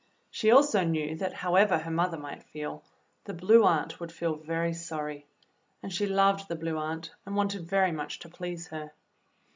She also knew that, however her mother might feel, the Blue Aunt would feel very sorry, and she loved the Blue Aunt and wanted very much to please her.